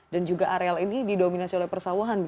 dan juga areal ini didominasi oleh persawahan